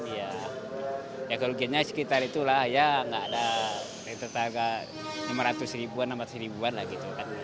ya kerugiannya sekitar itu ya tidak ada dari tetangga lima ratus ribuan enam ratus ribuan lagi